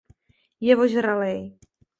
Je vožralej.